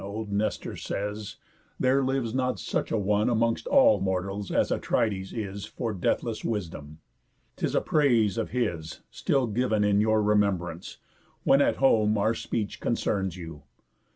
Old Nestor says, there lives not such a one Amongst all mortals as Atrides is For deathless wisdom. 'Tis a praise of his, Still giv'n in your remembrance, when at home Our speech concerns you.